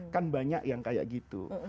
kan banyak yang kayak gitu